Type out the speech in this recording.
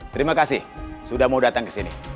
terima kasih sudah mau datang ke sini